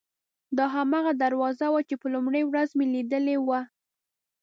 دا هماغه دروازه وه چې په لومړۍ ورځ مې لیدلې وه.